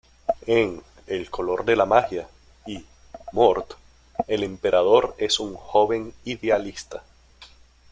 En "El Color de la Magia" y "Mort" el Emperador es un joven idealista.